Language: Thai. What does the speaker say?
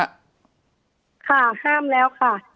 ค่ะห้ามแล้วค่ะ